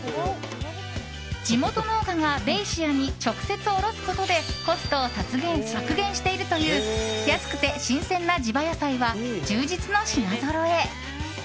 地元農家がベイシアに直接卸すことでコストを削減しているという安くて新鮮な地場野菜は充実の品ぞろえ。